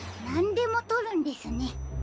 なんでもとるんですね。